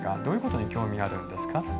どういうことに興味があるんですか？